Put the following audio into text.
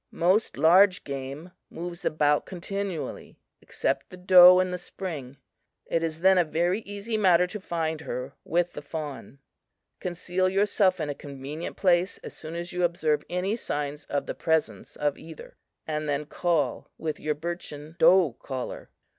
Most large game moves about continually, except the doe in the spring; it is then a very easy matter to find her with the fawn. Conceal yourself in a convenient place as soon as you observe any signs of the presence of either, and then call with your birchen doe caller.